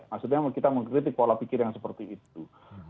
maksudnya kita mengkritik pola pikir yang seperti itu